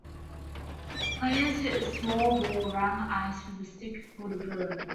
Players hit a small ball around the ice with a stick called a broom.